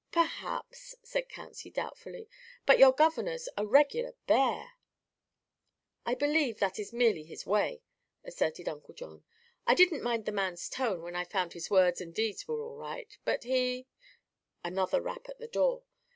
"Perhaps," said Patsy doubtfully. "But your governor's a regular bear." "I believe that is merely his way," asserted Uncle John. "I didn't mind the man's tone when I found his words and deeds were all right. But he " Another rap at the door.